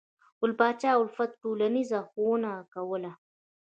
ګل پاچا الفت ټولنیزه ښوونه کوله.